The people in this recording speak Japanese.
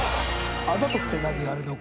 『あざとくて何が悪いの？』